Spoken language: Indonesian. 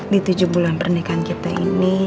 di tujuh bulan pernikahan kita ini